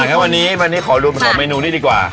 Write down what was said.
อันค่ะวันนี้วันนี้ขอลูกข่อเมนูนี้ดีกว่า